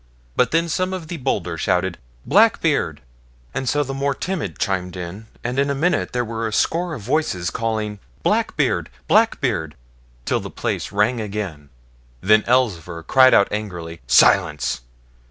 But then some of the bolder shouted 'Blackbeard', and so the more timid chimed in, and in a minute there were a score of voices calling 'Blackbeard, Blackbeard', till the place rang again. Then Elzevir cried out angrily, 'Silence.